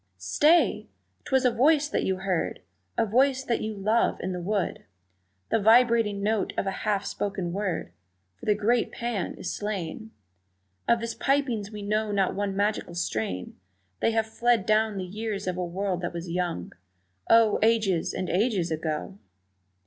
Stay! 'twas a voice that you heard, A voice that you love, in the wood, The vibrating note of a half spoken word For the great Pan is slain, Of his pipings we know not one magical strain, They have fled down the years of a world that was young Oh, ages and ages ago!